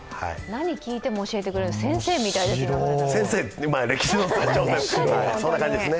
何聞いても教えてくれる、先生みたいですね。